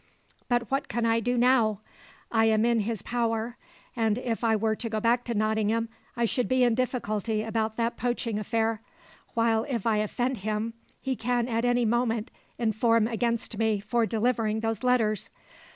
But what can I now do? I am in his power; and if I were to go back to Nottingham, I should be in difficulty about that poaching affair; while, if I offend him, he can at any moment inform against me for delivering those letters.